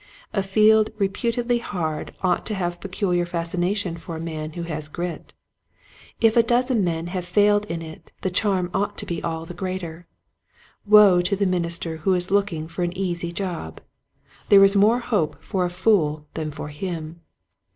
A field reputedly hard ought to have pecu liar fascination for a man who has grit. If a dozen men have failed in it the charm ought to be all the greater. Woe to the minister who is looking for an easy job ! There is more hope for a fool than for him.